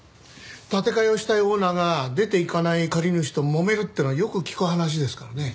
建て替えをしたいオーナーが出て行かない借り主ともめるっていうのはよく聞く話ですからね。